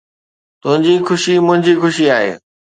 تنهنجي خوشي منهنجي خوشي آهي